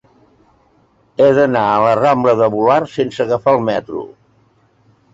He d'anar a la rambla de Volart sense agafar el metro.